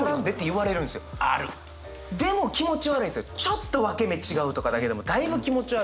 ちょっと分け目違うとかだけでもだいぶ気持ち悪いんですよ。